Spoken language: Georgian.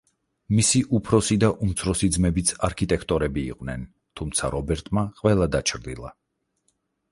მისი უფროსი და უმცროსი ძმებიც არქიტექტორები იყვნენ, თუმცა რობერტმა ყველა დაჩრდილა.